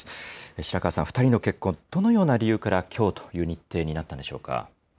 白川さん、２人の結婚、どのような理由から、きょうという日程になったんでしょうか。